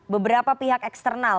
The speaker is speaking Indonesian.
beberapa pihak eksternal